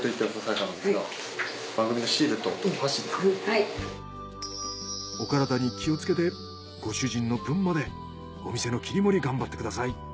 お体に気をつけてご主人の分までお店の切り盛り頑張ってください！